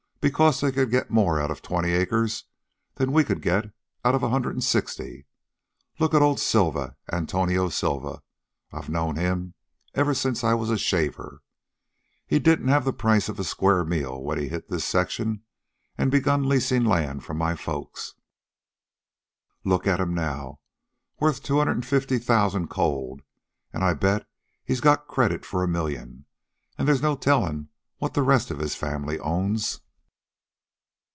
Because they could get more out of twenty acres than we could out of a hundred an' sixty. Look at old Silva Antonio Silva. I've known him ever since I was a shaver. He didn't have the price of a square meal when he hit this section and begun leasin' land from my folks. Look at him now worth two hundred an' fifty thousan' cold, an' I bet he's got credit for a million, an' there's no tellin' what the rest of his family owns."